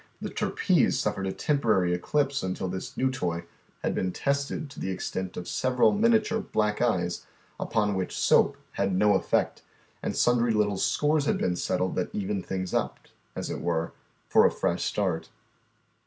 The trapeze suffered a temporary eclipse until this new toy had been tested to the extent of several miniature black eyes upon which soap had no effect, and sundry little scores had been settled that evened things up, as it were, for a fresh start.